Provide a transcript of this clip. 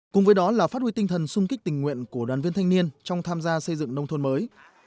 cùng với đó là phát huy tinh thần sung kích tình nguyện của đoàn viên thanh niên trong tham gia xây dựng nông thôn mới